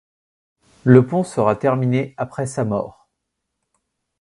Le pont sera terminé après sa mort.